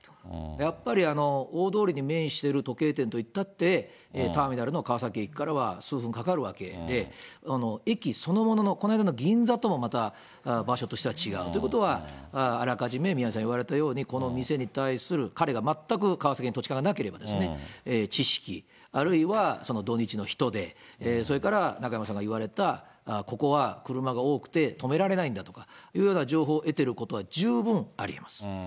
やっぱり、大通りに面している時計店といったって、ターミナルの川崎駅からは数分かかるわけで、駅そのものの、この間の銀座ともまた場所としては違うということは、あらかじめ宮根さん、言われたように、この店に対する彼が全く川崎に土地勘がなければ知識、あるいは土日の人出、それから中山さんが言われたここは車が多くて止められないんだとかというような情報を得てることは十分ありえます。